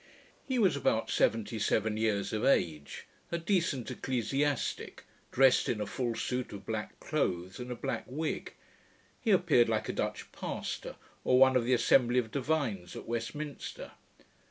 He was about seventy seven years of age, a decent ecclesiastick, dressed in a full suit of black clothes, and a black wig. He appeared like a Dutch pastor, or one of the assembly of divines at Westminster.